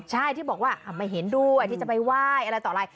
ใช่ที่บอกว่าไม่เห็นด้วยที่จะไปไหว้อะไรต่ออะไร